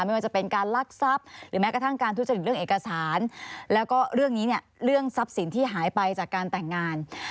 ไม่ว่าจะเป็นการลักทรัพย์หรือแม้กระทั่งการทุจริตเรื่องเอกสารแล้วก็เรื่องนี้เนี่ยเรื่องทรัพย์สินที่หายไปจากการแต่งงาน